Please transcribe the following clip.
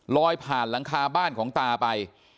ผ่านหลังคาบ้านของตาไป